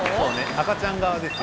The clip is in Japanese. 赤ちゃん顔ですよ